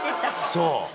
そう。